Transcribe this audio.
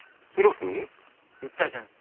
言ったじゃん。